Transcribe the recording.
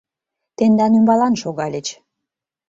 Тендан ӱмбалан шогальыч.